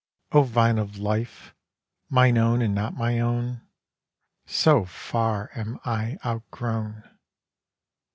O Vine of Life, my own and not my own, So far am I outgrown!